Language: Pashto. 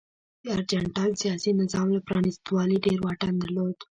د ارجنټاین سیاسي نظام له پرانیستوالي ډېر واټن درلود.